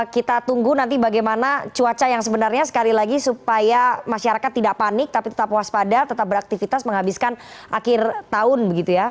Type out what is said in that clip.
kita tunggu nanti bagaimana cuaca yang sebenarnya sekali lagi supaya masyarakat tidak panik tapi tetap waspada tetap beraktivitas menghabiskan akhir tahun begitu ya